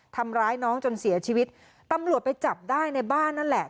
ทำร้ายน้องจนเสียชีวิตตำรวจไปจับได้ในบ้านนั่นแหละ